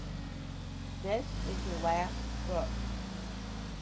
This is your last book!